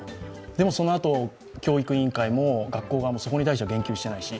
そのあと教育委員会も、学校側もそこに対しては言及してないし